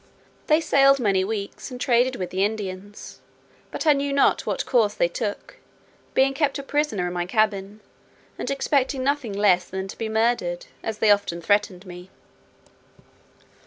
They sailed many weeks, and traded with the Indians; but I knew not what course they took, being kept a close prisoner in my cabin, and expecting nothing less than to be murdered, as they often threatened me.